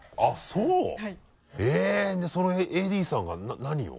えぇ！でそのＡＤさんが何を？